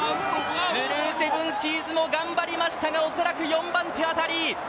スルーセブンシーズも頑張りましたがおそらく４番手あたり。